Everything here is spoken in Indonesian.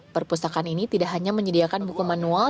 perpustakaan ini tidak hanya menyediakan buku manual